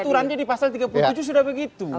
aturannya di pasal tiga puluh tujuh sudah begitu